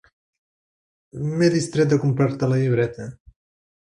M'he distret de comprar-te la llibreta.